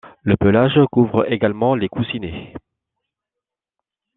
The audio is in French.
Le pelage couvre également les coussinets.